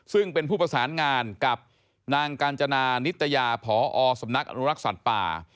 ซึ่งเป็นผู้ประสานงานกับนางกาญจนานิตยาพอสำนักอนุรักษ์สัตว์ป่า